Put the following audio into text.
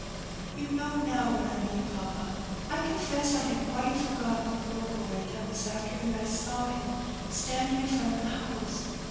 '' "You know now what I mean, papa. I confess I had quite forgotten the poor boy till this afternoon I saw him standing in front of the house.